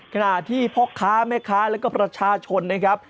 ขณะที่พ่อค้าแม่ค้าแล้วก็ประชาชนนะครับ